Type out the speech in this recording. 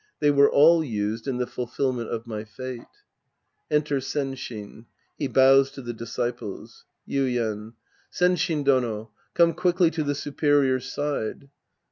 They were all used in the fulfilment of my fate. {Enter Senshin. He bows to the disciples^ Yuien. Senshin Dono, come quickly to the superior's side.